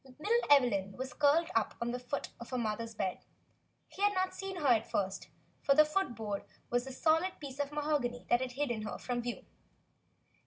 Little Evelyn was curled up on the foot of her mother's bed; he had not seen her at first, for the foot board was a solid piece of mahogany that had hidden her from view.